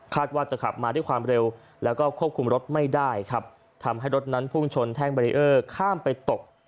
ว่าจะขับมาด้วยความเร็วแล้วก็ควบคุมรถไม่ได้ครับทำให้รถนั้นพุ่งชนแท่งเบรีเออร์ข้ามไปตก